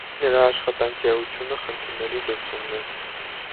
Նրա աշխատանքի էությունը «խնդիրների լուծումն» է։